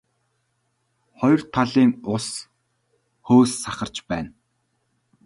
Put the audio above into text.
Хоёр талын ус хөөс сахарч байна.